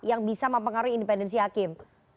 yang bisa mempengaruhi independensi hakim